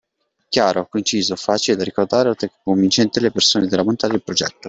Chiaro, conciso e facile da ricordare oltre che convincere le persone della bontà del progetto.